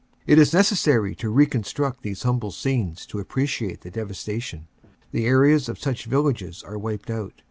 It is necessary to reconstruct these humble scenes to appre ciate the devastation. The areas of such villages are wiped out.